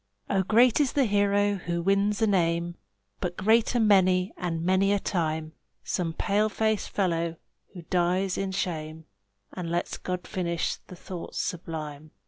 Oh, great is the hero who wins a name, But greater many and many a time Some pale faced fellow who dies in shame, And lets God finish the thoughts sublime.